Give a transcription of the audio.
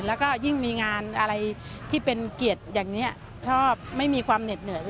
แล้วก็ยิ่งมีงานอะไรที่เป็นเกียรติอย่างนี้ชอบไม่มีความเหน็ดเหนื่อย